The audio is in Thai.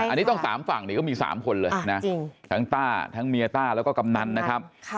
อันนี้ต้อง๓ฝั่งนี่ก็มี๓คนเลยนะทั้งต้าทั้งเมียต้าแล้วก็กำนันนะครับ